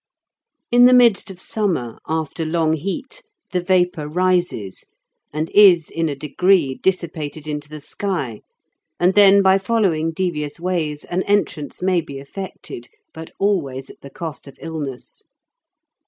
In the midst of summer, after long heat, the vapour rises, and is in a degree dissipated into the sky, and then by following devious ways an entrance may be effected, but always at the cost of illness.